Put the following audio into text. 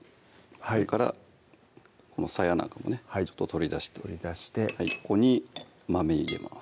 それからこのさやなんかもね取り出しておいて取り出してここに豆入れます